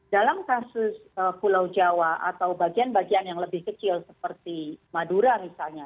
dalam kasus pulau jawa atau bagian bagian yang lebih kecil seperti madura misalnya